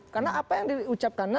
karena apa yang diucapkannya